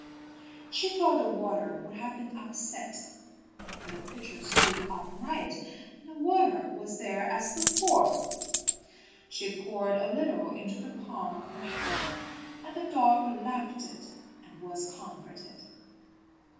She thought the water would have been upset, but the pitcher stood upright and the water was there as before. She poured a little into the palm of her hand and the dog lapped it and was comforted.